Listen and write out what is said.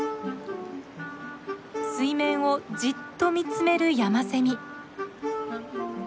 水面をじっと見つめるヤマセミ。